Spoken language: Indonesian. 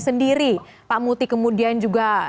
sendiri pak muti kemudian juga